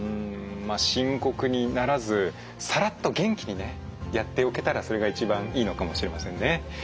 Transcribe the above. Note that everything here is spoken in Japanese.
深刻にならずさらっと元気にやっておけたらそれが一番いいのかもしれませんね。